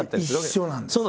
もう一緒なんです！